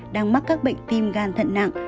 đang mắc các bệnh tim gan thận nặng